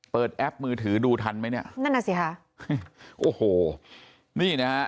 แอปมือถือดูทันไหมเนี่ยนั่นน่ะสิค่ะโอ้โหนี่นะฮะ